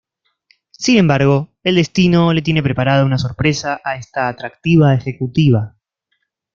Sin embargo, el destino le tiene preparada una sorpresa a esta atractiva ejecutiva.